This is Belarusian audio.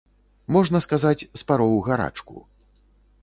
Можна сказаць, спароў гарачку.